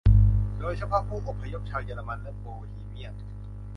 โดยเฉพาะผู้อพยพชาวเยอรมันและโบฮีเมียน